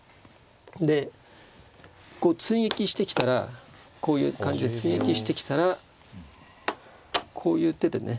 でこう追撃してきたらこういう感じで追撃してきたらこういう手でね